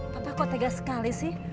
papa kok tegas sekali sih